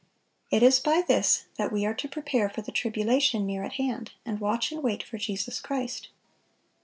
"It is by this that we are to prepare for the tribulation near at hand, and watch and wait for Jesus Christ."